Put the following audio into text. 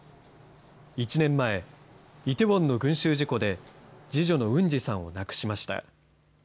１年前、イテウォンの群集事故で、次女のウンジさんを亡くしました。